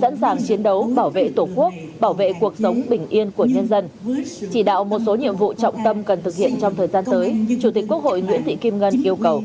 sẵn sàng chiến đấu bảo vệ tổ quốc bảo vệ cuộc sống bình yên của nhân dân chỉ đạo một số nhiệm vụ trọng tâm cần thực hiện trong thời gian tới chủ tịch quốc hội nguyễn thị kim ngân yêu cầu